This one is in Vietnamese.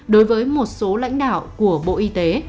đối với một số lãnh đạo của bộ y tế